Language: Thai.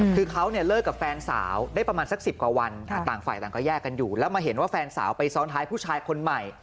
คือเขาเนี่ยเลิกกับแฟนสาวได้ประมาณสัก๑๐กว่าวันต่างฝ่ายต่างก็แยกกันอยู่แล้วมาเห็นว่าแฟนสาวไปซ้อนท้ายผู้ชายคนใหม่